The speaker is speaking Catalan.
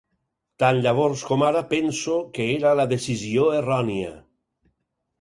Tan llavors com ara penso que era la decisió errònia.